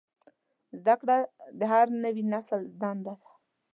زدهکړه د هر نوي نسل دنده ده.